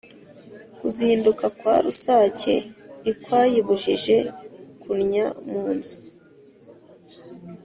Kuzinduka kwa rusake ntikwayibujije kunnya mu nzu.